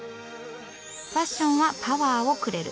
ファッションはパワーをくれる。